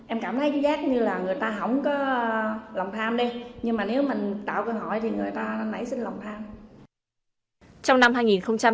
em cảm thấy chú giác như là người ta không có lòng tham đi nhưng mà nếu mình tạo cơ hội thì người ta nãy xin lòng tham